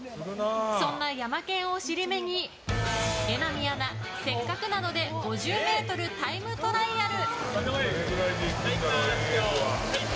そんなヤマケンを尻目に榎並アナ、せっかくなので５０ｍタイムトライアル。